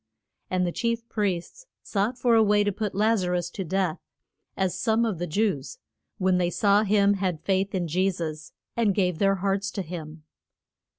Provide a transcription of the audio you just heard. And the chief priests sought for a way to put Laz a rus to death, as some of the Jews, when they saw him had faith in Je sus, and gave their hearts to him.